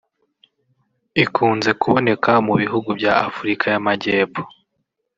Ikunze kuboneka mu bihugu bya Afurika y’Amajyepfo